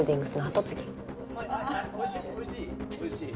おいしい？